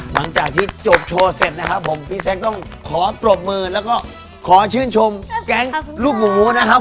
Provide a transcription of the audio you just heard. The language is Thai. หลังจากที่จบโชว์เสร็จนะครับผมพี่แซคต้องขอปรบมือแล้วก็ขอชื่นชมแก๊งลูกหมูนะครับ